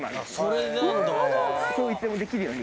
これいつでもできるように